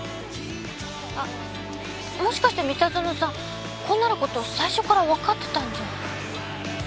あっもしかして三田園さんこうなる事最初からわかってたんじゃ。